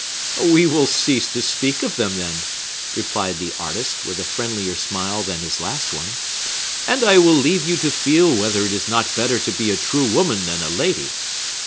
"We will cease to speak of them, then," replied the artist, with a friendlier smile than his last one, "and I will leave you to feel whether it is not better to be a true woman than a lady.